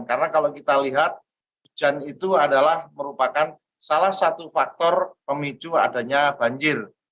karena kalau kita lihat hujan itu adalah merupakan salah satu faktor pemicu adanya banjir